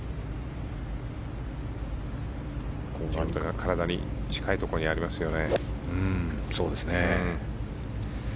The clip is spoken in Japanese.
体に近いところにありますよね。